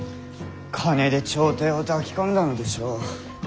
金で朝廷を抱き込んだのでしょう。